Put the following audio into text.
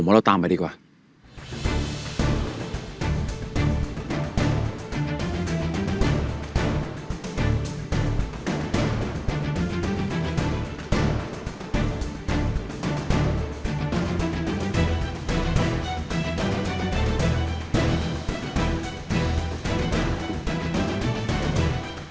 ผมว่าเราตามไปดีกว่า